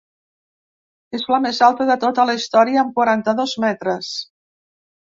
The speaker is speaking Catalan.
És la més alta de tota la història, amb quaranta-dos metres.